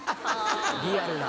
リアルな。